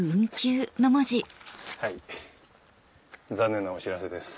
はい残念なお知らせです。